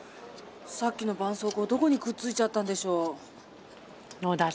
さっきのばんそうこうどこにくっついちゃったんでしょう。